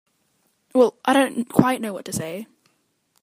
Well—I don't quite know what to say.